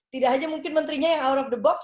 tidak hanya mungkin menterinya yang out of the box